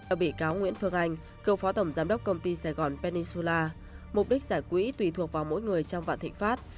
ở bị cáo nguyễn phương anh cựu phó tổng giám đốc công ty sài gòn pennysula mục đích giải quỹ tùy thuộc vào mỗi người trong vạn thịnh pháp